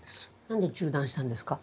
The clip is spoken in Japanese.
何で中断したんですか？